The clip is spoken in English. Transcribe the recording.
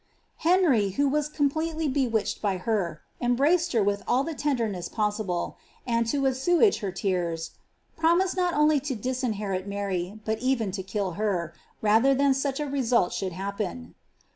^ Henry, who was completely bewitched by her, embraced her with all the tenderness possible, and, to assuage her tears, ^ promised not ooty to disinherit Mary, but even to kill her, rather than such a result shoald happen.'